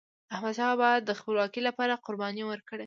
احمدشاه بابا د خپلواکی لپاره قرباني ورکړې.